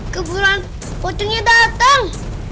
keburan pocongnya dateng